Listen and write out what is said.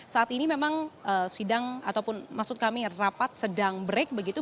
saat ini memang sidang ataupun maksud kami rapat sedang break begitu